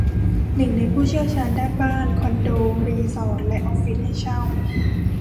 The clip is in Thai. หนึ่งในผู้เชี่ยวชาญด้าน บ้าน คอนโด รีสอร์ท และออฟฟิศให้เช่า